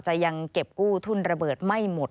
ยังเก็บกู้ทุนระเบิดไม่หมด